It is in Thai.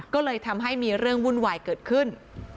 ก็เลยทำให้มีเรื่องวุ่นวายเกิดขึ้น